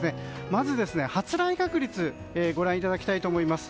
まず発雷確率ご覧いただきたいと思います。